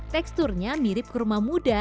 teksturnya mirip kurma muda